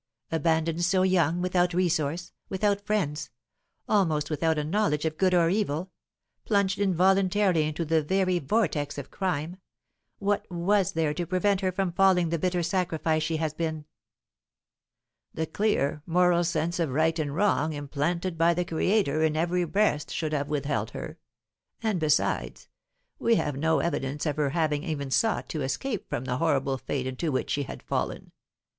Abandoned so young, without resource, without friends, almost without a knowledge of good or evil, plunged involuntarily into the very vortex of crime, what was there to prevent her from falling the bitter sacrifice she has been?" "The clear, moral sense of right and wrong implanted by the Creator in every breast should have withheld her; and, besides, we have no evidence of her having even sought to escape from the horrible fate into which she had fallen.